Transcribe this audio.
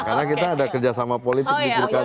karena kita ada kerjasama politik di perkadaan